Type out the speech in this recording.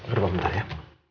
berubah bentar ya